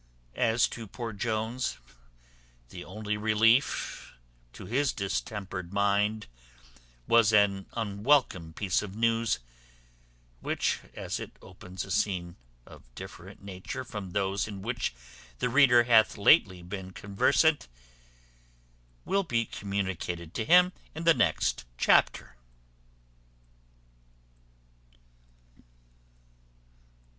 As to poor Jones, the only relief to his distempered mind was an unwelcome piece of news, which, as it opens a scene of different nature from those in which the reader hath lately been conversant, will be communicated to him in the next chapter.